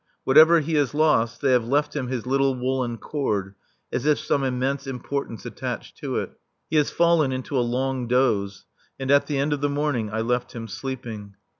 Whatever he has lost, they have left him his little woollen cord, as if some immense importance attached to it. He has fallen into a long doze. And at the end of the morning I left him sleeping.